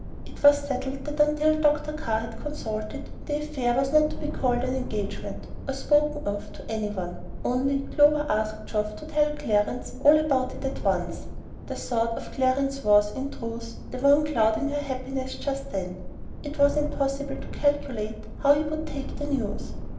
It was settled that until Dr. Carr had been consulted, the affair was not to be called an engagement, or spoken of to any one; only Clover asked Geoff to tell Clarence all about it at once. The thought of Clarence was, in truth, the one cloud in her happiness just then. It was impossible to calculate how he would take the news.